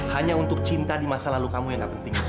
hanya untuk cinta di masa lalu kamu yang gak penting